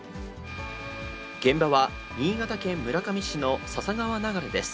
現場は、新潟県村上市の笹川流れです。